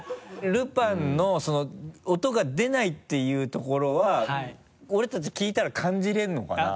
ルパンの音が出ないっていうところは俺たち聴いたら感じれるのかな？